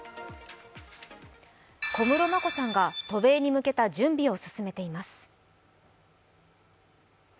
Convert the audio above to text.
小室眞子さんが渡米に向けた準備を進めています。